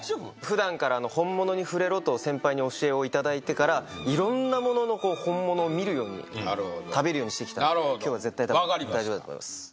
ふだんから本物に触れろと先輩に教えをいただいてから色んなものの本物を見るように食べるようにしてきたので今日は絶対大丈夫だと思います